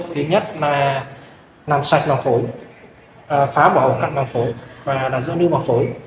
thứ nhất là làm sạch mảng phổi phá bỏ ổ cặn mảng phổi và giữ lưu mảng phổi